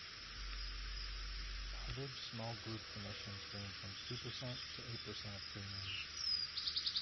Average small group commissions range from two percent to eight percent of premiums.